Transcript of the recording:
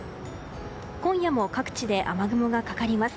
今夜も各地で雨雲がかかります。